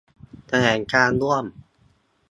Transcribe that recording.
แถลงการณ์ร่วม